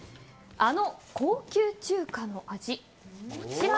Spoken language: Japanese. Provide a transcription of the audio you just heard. あの高級中華の味。